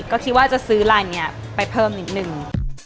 ก็คิดว่าจะซื้อลายนี้ไปเพิ่มนิดนึง